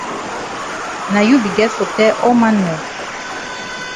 Na you be get for tell all man nor.